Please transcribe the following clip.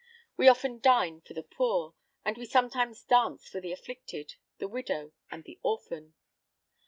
We often dine for the poor, and we sometimes dance for the afflicted, the widow, and the orphan.